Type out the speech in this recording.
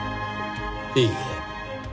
いいえ。